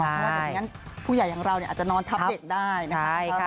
เพราะฉะนั้นผู้ใหญ่อย่างเราอาจจะนอนทับเด็กได้นะคะ